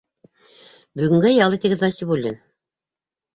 Бөгөнгә ял итегеҙ, Насибуллин.